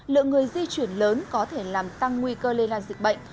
lượng người di chuyển lớn có thể làm tăng nguy cơ lây lan dịch bệnh